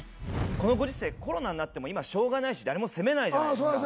このご時世コロナになっても今しょうがないし誰も責めないじゃないですか。